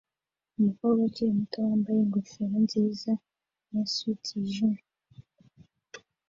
Umukobwa ukiri muto wambaye ingofero nziza na swater yijimye